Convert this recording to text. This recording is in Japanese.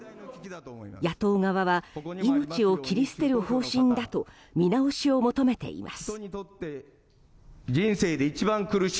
野党側は命を切り捨てる方針だと見直しを求めています。